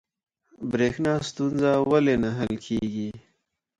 بریښنا ستونزه ولې نه حل کیږي؟